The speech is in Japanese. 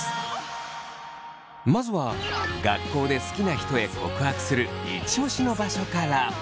まずは学校で好きな人へ告白するイチオシの場所から。